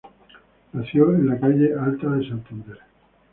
Nació en la calle Alta de Santander.